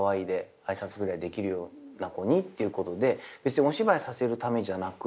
挨拶ぐらいできるような子にっていうことで別にお芝居させるためじゃなく。